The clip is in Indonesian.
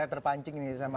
saya terpancing nih sama